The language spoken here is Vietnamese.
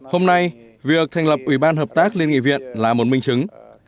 hôm nay việc thành lập ủy ban hợp tác liên nghị viện là một minh chứng